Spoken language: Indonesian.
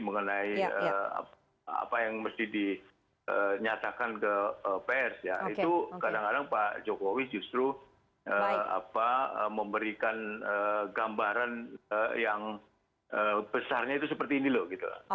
mengenai apa yang mesti dinyatakan ke pers ya itu kadang kadang pak jokowi justru memberikan gambaran yang besarnya itu seperti ini loh gitu